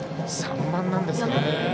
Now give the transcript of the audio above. ３番なんですよね。